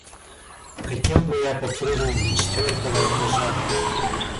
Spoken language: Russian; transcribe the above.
Хотел бы я подпрыгнуть до четвёртого этажа!